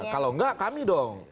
kalau nggak kami dong